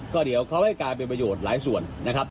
ก็เดี๋ยวเขาให้การเป็นประโยชน์หลายส่วน